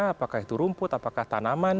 apakah itu rumput apakah tanaman